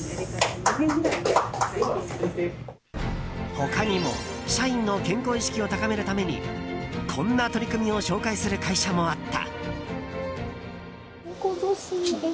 他にも、社員の健康意識を高めるためにこんな取り組みを紹介する会社もあった。